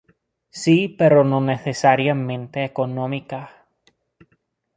Sí, pero no necesariamente económicas.